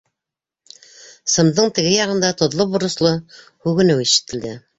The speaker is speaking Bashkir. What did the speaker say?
- Сымдың теге яғында тоҙло- боросло һүгенеү ишетелде.